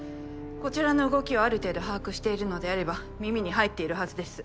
こちらの動きをある程度把握しているのであれば耳に入っているはずです。